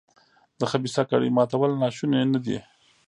د خبیثه کړۍ ماتول ناشوني نه دي.